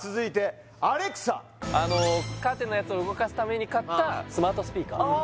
はいさああのカーテンのやつを動かすために買ったスマートスピーカー